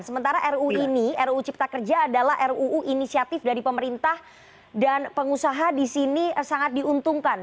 sementara ruu ini ruu cipta kerja adalah ruu inisiatif dari pemerintah dan pengusaha di sini sangat diuntungkan